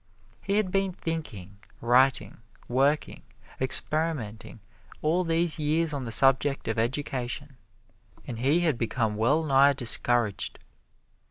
He had been thinking, writing, working, experimenting all these years on the subject of education, and he had become well nigh discouraged.